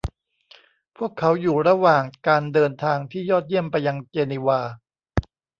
พวกเขาอยู่ระหว่างการเดินทางที่ยอดเยี่ยมไปยังเจนีวา